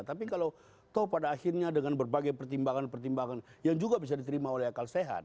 tapi kalau toh pada akhirnya dengan berbagai pertimbangan pertimbangan yang juga bisa diterima oleh akal sehat